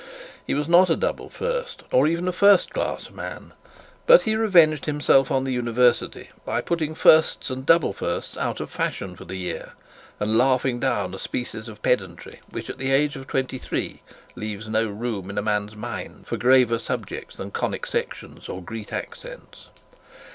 He was not a double first, nor even a first class man; but he revenged himself on the university by putting first and double firsts out of fashion for the year, and laughing down a species of pedantry which at the age of twenty three leaves no room in a man's mind for graver subjects than conic sections or Greek accents.